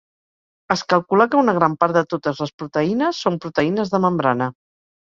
Es calcula que una gran part de totes les proteïnes són proteïnes de membrana.